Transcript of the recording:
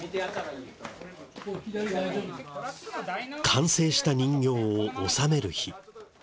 完成した人形を納める日。